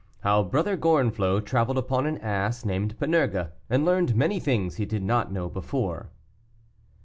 HOW BROTHER GORENFLOT TRAVELED UPON AN ASS, NAMED PANURGE, AND LEARNED MANY THINGS HE DID NOT KNOW BEFORE.